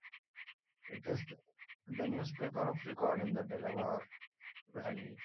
It is the newspaper of record in the Delaware Valley.